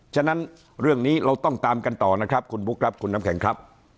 ฉะนั้นเรื่องนี้เราต้องตามกันต่อนะครับคุณบุ๊คครับคุณน้ำแข็งครับ